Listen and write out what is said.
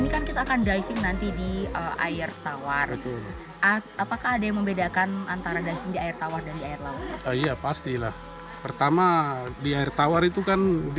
kami akan mengeksplor di bawah air telaga